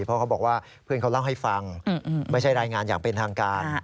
เพราะเขาบอกว่าเพื่อนเขาเล่าให้ฟังไม่ใช่รายงานอย่างเป็นทางการ